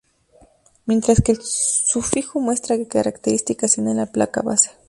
Mientras que el sufijo muestra que características tiene la placa base.